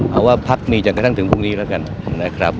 เอาว่าพักนี้จนกระทั่งถึงพรุ่งนี้แล้วกันนะครับ